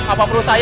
apa perlu saya